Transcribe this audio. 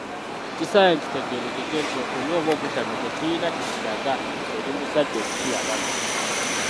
Kisaanye kitegeerekeke nti okunywa oba obutanywa tekirina kye kiraga nti oli musajja okukira banno.